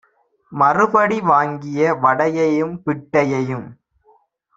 மறுபடி வாங்கிய வடையையும் பிட்டையும்